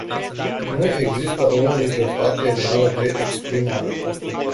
Nu există o libertate reală de exprimare.